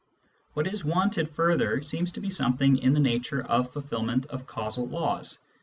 What is wanted further seems to be something in the nature of fulfilment of causal laws.